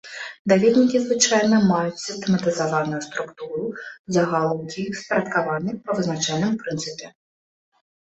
Даведнікі звычайна маюць сістэматызаваную структуру, загалоўкі ў іх спарадкаваны па вызначаным прынцыпе.